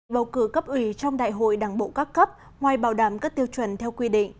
bầu cử cấp ủy trong đại hội đảng bộ các cấp ngoài bảo đảm các tiêu chuẩn theo quy định